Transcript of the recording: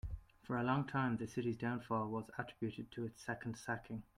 For a long time, the city's downfall was attributed to its second sacking.